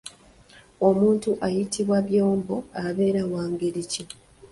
Omuntu ayitibwa byobo abeera wa ngeri ki?